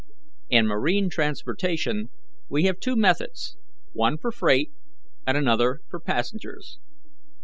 "In marine transportation we have two methods, one for freight and another for passengers.